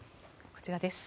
こちらです。